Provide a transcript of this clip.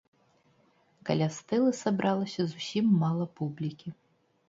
Каля стэлы сабралася зусім мала публікі.